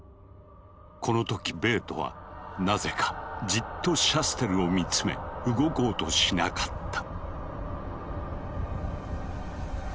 この時ベートはなぜかじっとシャステルを見つめ動こうとしなかった。